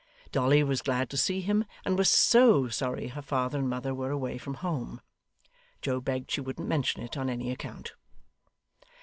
Dolly was glad to see him, and was SO sorry her father and mother were away from home. Joe begged she wouldn't mention it on any account.